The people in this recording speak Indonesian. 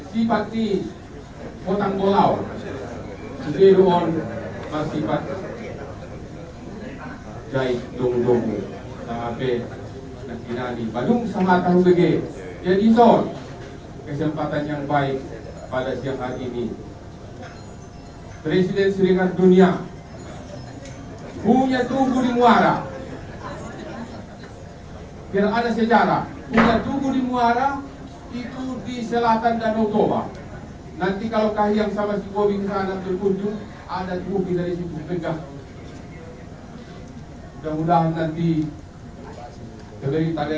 dalam kesempatan ini kami juga merasa sangat senang dan bangga atas kehadiran